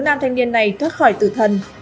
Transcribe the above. nam thanh niên này thoát khỏi tử thần